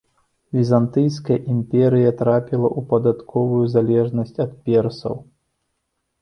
Візантыйская імперыя трапіла ў падатковую залежнасць ад персаў.